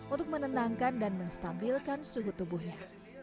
untuk menenangkan dan menstabilkan suhu tubuhnya